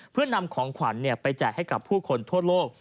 เพื่อนำของขวัญไปแจกให้กับผู้คนทั่วโลก